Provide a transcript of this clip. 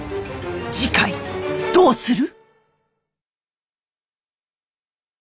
次回どうする？